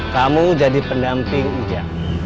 kamu jadi pendamping uja